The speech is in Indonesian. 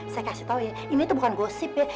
saya kasih tau ya ini tuh bukan gosip ya